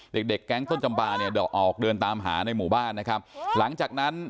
เด็กเด็กแก๊งต้นจำปาเนี่ยออกเดินตามหาในหมู่บ้านนะครับหลังจากนั้น